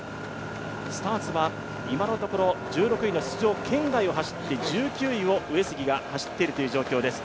スターツは今のところ１６位の出場圏外を走っていて１９位を上杉が走っているという状況です。